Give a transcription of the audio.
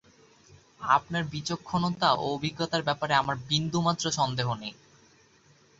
আপনার বিচক্ষণতা ও অভিজ্ঞতার ব্যাপারে আমার বিন্দুমাত্র সন্দেহ নেই।